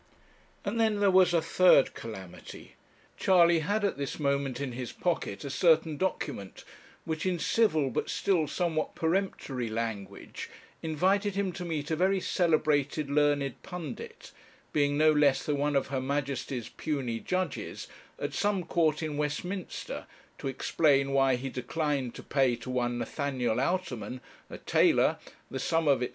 And then there was a third calamity. Charley had, at this moment, in his pocket a certain document, which in civil but still somewhat peremptory language invited him to meet a very celebrated learned pundit, being no less than one of Her Majesty's puisne judges, at some court in Westminster, to explain why he declined to pay to one Nathaniel Outerman, a tailor, the sum of &c.